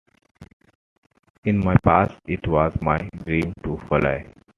In my past it was my dream to fly.